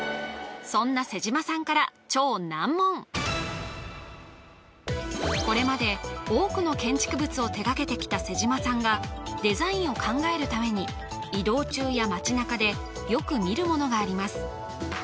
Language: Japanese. そんな妹島さんからこれまで多くの建築物を手がけてきた妹島さんがデザインを考えるために移動中や街なかでよく見るものがあります